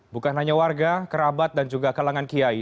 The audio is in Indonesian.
bukan hanya warga kerabat dan juga kalangan kiai